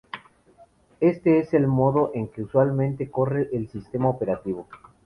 Este es el modo en que usualmente corre el sistema operativo".